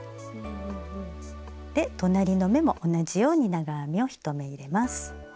で隣の目も同じように長編みを１目入れます。